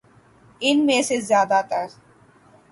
ان میں سے زیادہ تر